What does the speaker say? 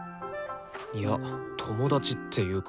いや友達っていうか。